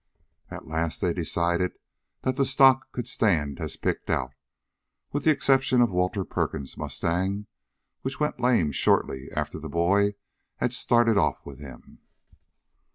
At last they decided that the stock could stand as picked out, with the exception of Walter Perkins's mustang, which went lame shortly after the boy had started off with him.